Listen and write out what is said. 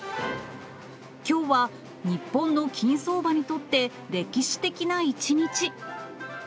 きょうは日本の金相場にとって歴史的な一日。